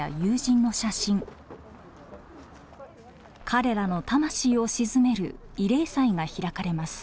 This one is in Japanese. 彼らの魂を鎮める慰霊祭が開かれます。